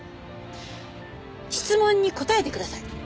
質問に答えてください。